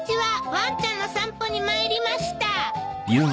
ワンちゃんの散歩に参りました。